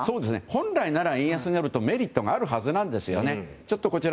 本来なら円安になるとメリットがあるはずなんですよね。